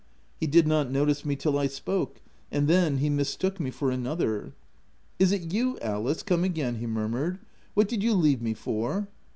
He did not notice me till I spoke ; and then, he mis took me tor another. " Is it you, Alice, come again ?" he mur mured. " What did you leave me for?"